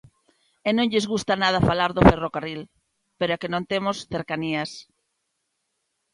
E non lles gusta nada falar do ferrocarril, pero é que non temos cercanías.